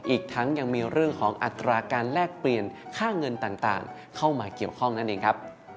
อีกทั้งยังมีเรื่องของอัตราการแลกเปลี่ยนค่าเงินต่างเข้ามาเกี่ยวข้องนั่นเองครับ